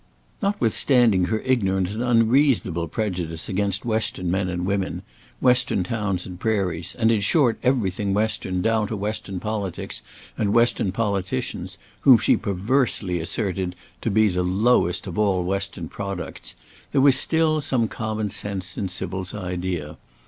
Notwithstanding her ignorant and unreasonable prejudice against western men and women, western towns and prairies, and, in short, everything western, down to western politics and western politicians, whom she perversely asserted to be tue lowest ot all western products, there was still some common sense in Sybil's idea.